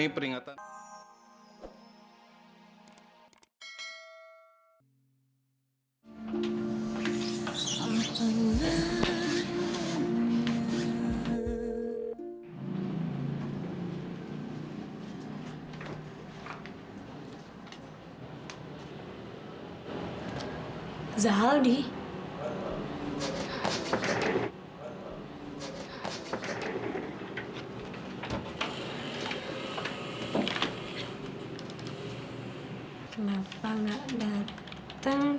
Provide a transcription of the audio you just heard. kenapa gak dateng